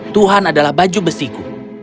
tuhan adalah baju besiku